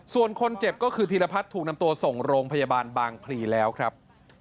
ส่วนคนเจ็บก็คือธีรพัฒน์ถูกนำตัวส่งโรงพยาบาลบางพลีแล้วครับ